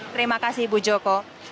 terima kasih ibu joko